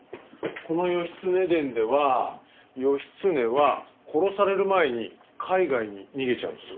この『義経伝』では義経は殺される前に海外に逃げちゃうんです。